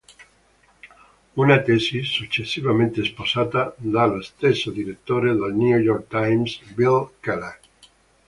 Una tesi successivamente sposata dallo stesso direttore del "New York Times", Bill Keller.